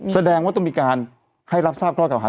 แสดงว่าต้องมีการให้รับทราบข้อเก่าหา